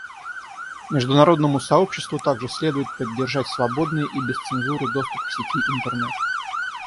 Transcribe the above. Международному сообществу также следует поддержать свободный и без цензуры доступ к сети Интернет.